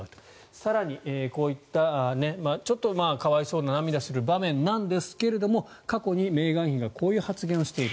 更に、こういった可哀想な涙する場面なんですが過去にメーガン妃がこういう発言をしている。